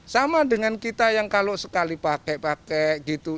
sama dengan kita yang kalau sekali pakai pakai gitu